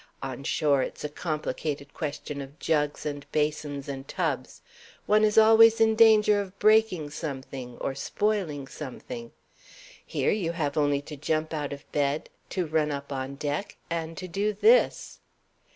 On shore it's a complicated question of jugs and basins and tubs; one is always in danger of breaking something, or spoiling something. Here you have only to jump out of bed, to run up on deck, and to do this!"